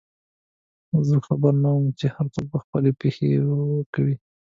زه خبر نه وم چې هرڅوک به خپلې پیسې ورکوي.